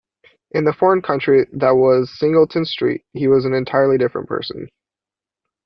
In the foreign country that was Singleton Street he was an entirely different person.